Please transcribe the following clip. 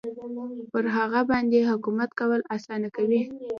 پر هغه باندې حکومت کول اسانه کوي.